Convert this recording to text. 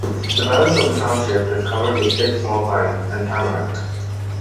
The balance of the Township is covered with thick small Pine and Tamarack.